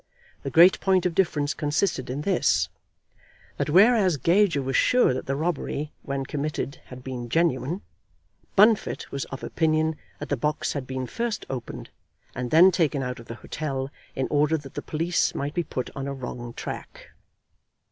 The great point of difference consisted in this, that whereas Gager was sure that the robbery when committed had been genuine, Bunfit was of opinion that the box had been first opened, and then taken out of the hotel in order that the police might be put on a wrong track.